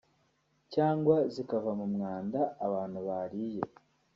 cyangwa zikava mu mwanda abantu bariye